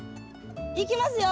いきますよ。